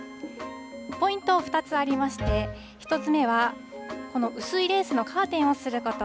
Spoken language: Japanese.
ポイント２つありまして、１つ目は、この薄いレースのカーテンをすること。